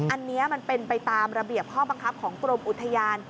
อันนี้มันเป็นไปตามระเบียบข้อบังคับของกรมอุทยาน